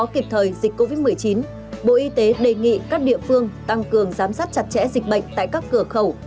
kịp thời dịch covid một mươi chín bộ y tế đề nghị các địa phương tăng cường giám sát chặt chẽ dịch bệnh tại các cửa khẩu